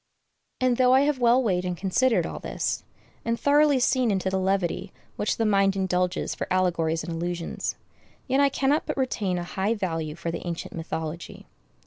And though I have well weighed and considered all this, and thoroughly seen into the levity which the mind indulges for allegories and allusions, yet I cannot but retain a high value for the ancient mythology.